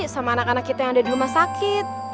sama anak anak kita yang ada di rumah sakit